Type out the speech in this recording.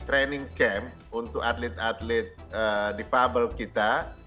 training camp untuk atlet atlet difabel kita